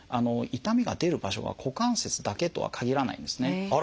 痛みが出る場所が股関節だけとは限らないんですね。